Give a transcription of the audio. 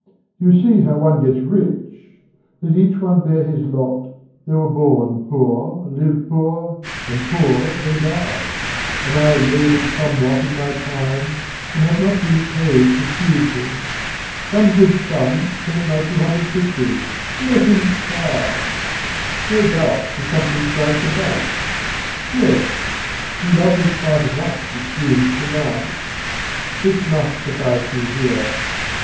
you see How one gets rich! Let each one bear his lot. They were born poor, lived poor, and poor they died: And I have laboured somewhat in my time And not been paid profusely. Some good son Paint my two hundred pictures let him try! No doubt, there's something strikes a balance. Yes, You loved me quite enough. it seems to night. This must suffice me here.